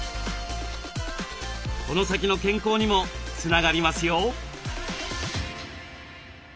この先の健康にもつながりますよ。